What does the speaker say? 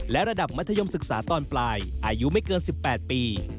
และระดับมัธยมศึกษาตอนปลายอายุไม่เกิน๑๘ปี